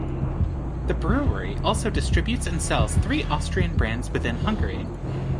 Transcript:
The brewery also distributes and sells three Austrian brands within Hungary.